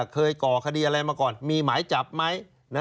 ก่อคดีอะไรมาก่อนมีหมายจับไหม